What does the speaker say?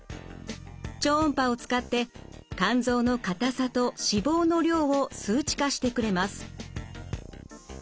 超音波を使って肝臓の硬さと脂肪の量を数値化してくれます。